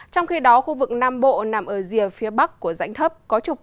trong khi đó khu vực nam bộ nằm ở rìa phía bắc của dãnh thấp